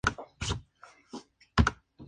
El festival se celebra en público y en casa.